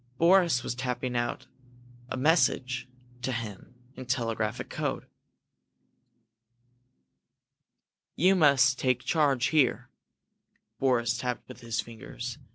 Boris was tapping out a message to him in telegraphic code. "You must take charge here," Boris tapped with his fingers.